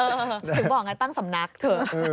ถึงบอกไงตั้งสำนักเถอะ